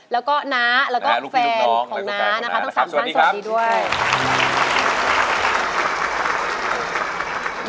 แล้วก็น้าแล้วก็แฟนของน้านะคะสวัสดีครับสวัสดีครับ